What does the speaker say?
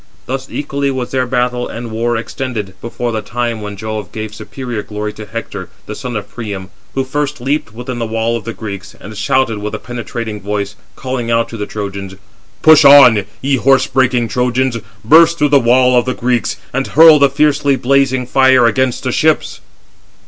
Thus equally was their battle and war extended, before the time when Jove gave superior glory to Hector, the son of Priam, who first leaped within the wall of the Greeks, and shouted with a penetrating voice, calling out to the Trojans: "Push on, ye horse breaking Trojans, burst through the wall of the Greeks, and hurl the fiercely blazing fire against the ships."